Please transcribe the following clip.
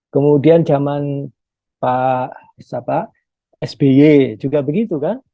kemudian zaman pak sby juga begitu kan